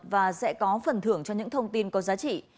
và sẽ có phần thưởng cho những thông tin có giá trị